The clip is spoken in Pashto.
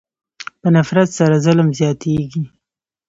په نفرت سره ظلم زیاتېږي.